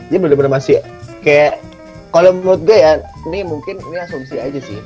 iya bener bener masih kayak kalo menurut gue ya ini mungkin ini asumsi aja sih